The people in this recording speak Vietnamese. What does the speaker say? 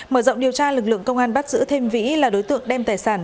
mở rộng điều tra lực lượng công an bắt giữ thêm vĩ là đối tượng đem tài sản